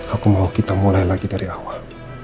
aku mau kita mulai lagi dari awal